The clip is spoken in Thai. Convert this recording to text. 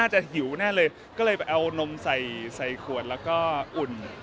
อุ่นให้เรารักกิน